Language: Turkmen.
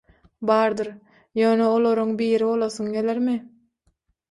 Bardyr, ýöne oalryň biri bolasyň gelermi?